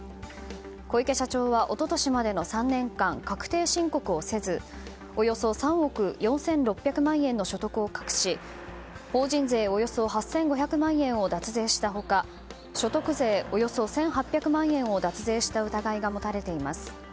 小池社長は一昨年までの３年間確定申告をせずおよそ３億４６００万円の所得を隠し法人税およそ８５００万円を脱税した他所得税およそ１８００万円を脱税した疑いが持たれています。